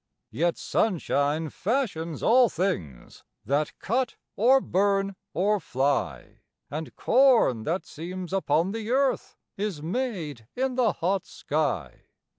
Yet sunshine fashions all things That cut or burn or fly; And corn that seems upon the earth Is made in the hot sky.